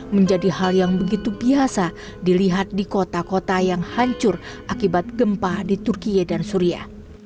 menjadi hal yang begitu biasa dilihat di kota kota yang hancur akibat gempa di turkiye dan suria